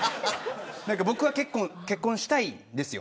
僕は結構、結婚したいんですよ。